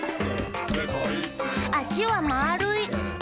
「あしはまるい！」